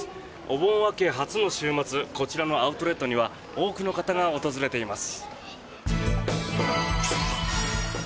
お盆明け初の週末こちらのアウトレットには多くの方が訪れています。